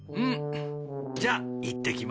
じゃあいってきます。